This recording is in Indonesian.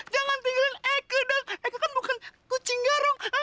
jangan tinggalin eke dong eke kan bukan kucing garung